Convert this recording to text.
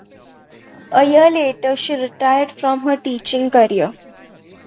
A year later she retired from her teaching career.